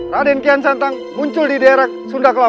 raden kian santang muncul di daerah sunda kelapa